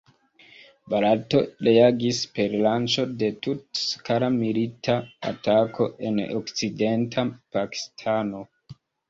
Barato reagis per lanĉo de tut-skala milita atako en Okcidenta Pakistano.